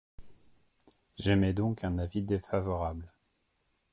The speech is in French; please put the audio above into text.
J’émets donc un avis défavorable.